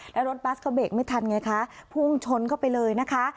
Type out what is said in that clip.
แล้วรถบัสก็เบรกไม่ทันไงคะพุ่งชนเข้าไปเลยนะคะ